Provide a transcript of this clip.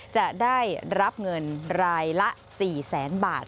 จะได้รับเงินรายละ๔แสนบาท